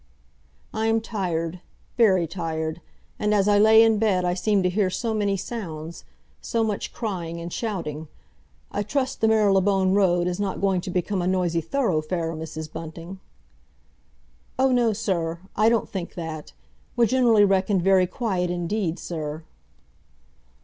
I am tired—very tired. And as I lay in bed I seemed to hear so many sounds—so much crying and shouting. I trust the Marylebone Road is not going to become a noisy thoroughfare, Mrs. Bunting?" "Oh, no, sir, I don't think that. We're generally reckoned very quiet indeed, sir."